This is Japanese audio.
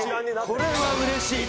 これはうれしい。